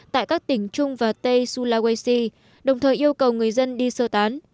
tại các tỉnh trung và tây sulawesi đồng thời yêu cầu người dân đi sơ tán